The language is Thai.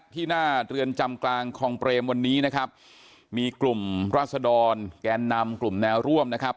ที่หน้าเรือนจำกลางคลองเปรมวันนี้นะครับมีกลุ่มราศดรแกนนำกลุ่มแนวร่วมนะครับ